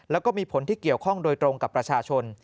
แล้วก็มีผลที่เกี่ยวข้องโดยตรงกับประชาชน